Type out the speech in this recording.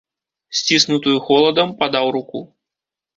Сціснутую холадам падаў руку.